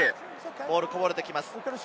ボールがこぼれてきます。